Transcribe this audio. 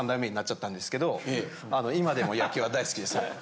今でも野球は大好きですね。